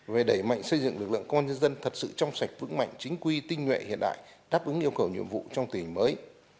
về đẩy mạnh xây dựng lực lượng công an nhân dân thật sự trong sạch vững mạnh chính quy tinh nguyện hiện đại đáp ứng yêu cầu nhiệm vụ trong tình hình mới